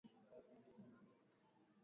na kuhakikisha kwamba inakuwa kwa haraka